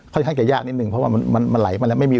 ค่อยขั้นใจยากนิดหนึ่งเพราะว่ามันไหลมาแล้ว